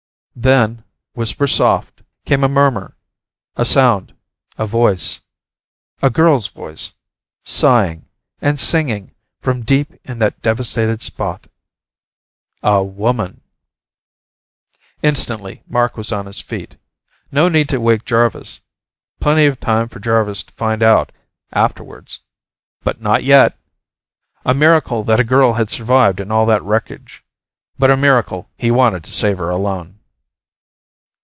Then, whisper soft, came a murmur, a sound, a voice. A girl's voice, sighing and singing, from deep in that devastated spot. A woman! Instantly, Mark was on his feet. No need to wake Jarvis. Plenty of time for Jarvis to find out afterwards. But not yet! A miracle that a girl had survived in all that wreckage. But a miracle he wanted to savour alone!